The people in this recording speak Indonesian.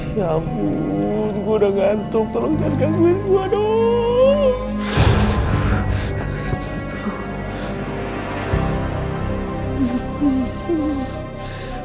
ya ampun gue udah ngantuk tolong jangan gangguin gue dong